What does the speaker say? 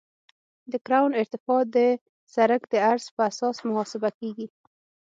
د کرون ارتفاع د سرک د عرض په اساس محاسبه کیږي